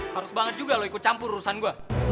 harus banget juga loh ikut campur urusan gue